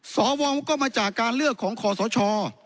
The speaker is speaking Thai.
สวก็มาจากการเลือกของคอสช